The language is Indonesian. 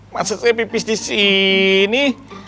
maksudnya pipis di sini